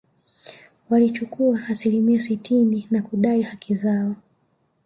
Walichukua asilimia sitini na kudai haki zao